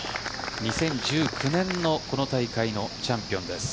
２０１９年のこの大会のチャンピオンです。